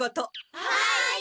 はい！